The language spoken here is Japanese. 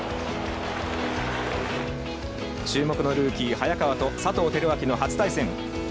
注目のルーキー、早川と佐藤輝明の初対戦。